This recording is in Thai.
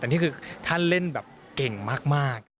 แต่นี่คือท่านเล่นแบบเก่งมาก